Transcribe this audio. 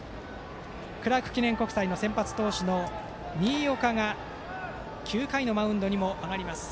クラーク記念国際先発投手の新岡が９回のマウンドにも上がります。